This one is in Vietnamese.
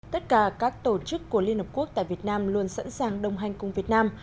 tất cả các tổ chức của liên hợp quốc tại việt nam luôn sẵn sàng đồng hành cùng việt nam